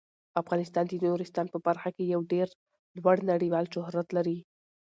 افغانستان د نورستان په برخه کې یو ډیر لوړ نړیوال شهرت لري.